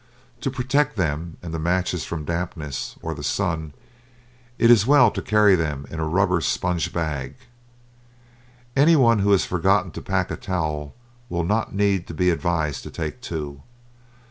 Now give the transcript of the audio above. To protect them and the matches from dampness, or the sun, it is well to carry them in a rubber sponge bag. Any one who has forgotten to pack a towel will not need to be advised to take two.